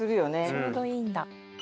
「ちょうどいいんだ」